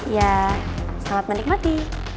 ya selamat menikmati